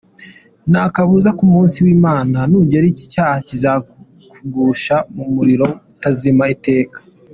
Nta kabuza ko umunsi w’Imana nugera iki cyaha kizakugusha mu muriro utazima iteka.